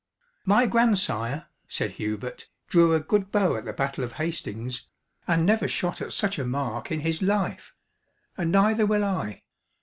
"My grandsire," said Hubert, "drew a good bow at the battle of Hastings, and never shot at such a mark in his life and neither will I.